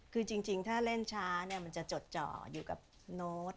คือจริงถ้าเล่นช้ามันจะจดจ่ออยู่กับโน้ต